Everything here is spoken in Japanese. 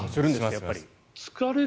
やっぱり。